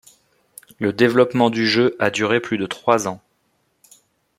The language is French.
Le développement du jeu a duré plus de trois ans.